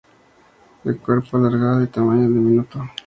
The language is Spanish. De cuerpo alargado y tamaño diminuto.